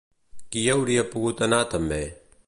Qui hi hauria pogut anar també?